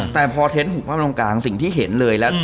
แต่พอเท้นต์หุบความลงกลางสิ่งที่เห็นเลยแล้ว